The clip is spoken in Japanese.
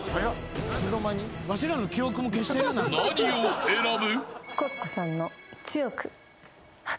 ［何を選ぶ？］